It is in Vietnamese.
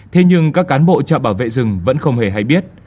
thế nhưng các cán bộ trạm bảo vệ rừng vẫn không hề hay biết